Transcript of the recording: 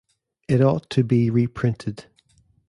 It ought to be reprinted.